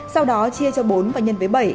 sau đó chia cho bốn và nhân với bảy